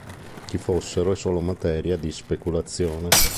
Chi fossero è solo materia di speculazione.